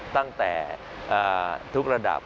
ตั้งแต่ทุกระดับ